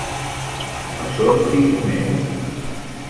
No són fills meus.